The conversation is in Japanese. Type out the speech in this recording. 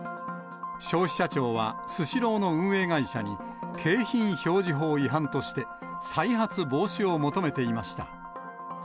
消費者庁は、スシローの運営会社に、景品表示法違反として、再発防止を求めていました。